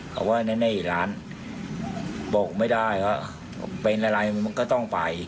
เพราะว่าแนน่อีกล้านบอกไม่ได้ว่าเป็นอะไรก็ต้องไป